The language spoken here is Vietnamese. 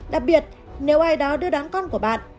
đặc biệt nếu ai đó đưa đón con của bạn